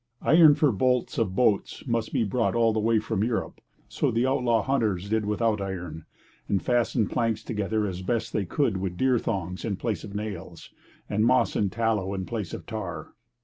Iron for bolts of boats must be brought all the way from Europe; so the outlaw hunters did without iron, and fastened planks together as best they could with deer thongs in place of nails, and moss and tallow in place of tar.